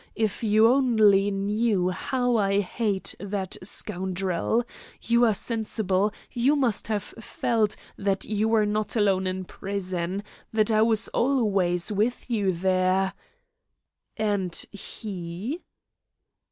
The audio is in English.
If you only knew how I hate that scoundrel! You are sensible; you must have felt that you were not alone in prison, that I was always with you there " "And he?"